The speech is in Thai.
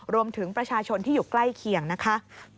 รวมถึงประชาชนที่อยู่ใกล้เคียงนะคะ